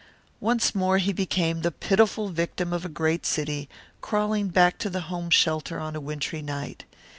Once more he became the pitiful victim of a great city, crawling back to the home shelter on a wintry night.